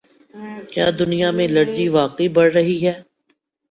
کیا دنیا میں الرجی واقعی بڑھ رہی ہے